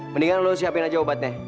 mendingan lu siapin aja obatnya